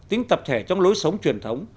tính tập thể trong lối sống truyền thống